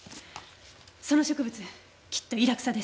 その植物きっとイラクサです。